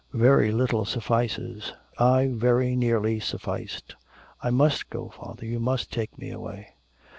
Very little suffices, I very nearly sufficed.... I must go, Father, you must take me away.'